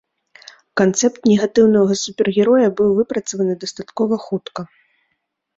Канцэпт негатыўнага супергероя быў выпрацаваны дастаткова хутка.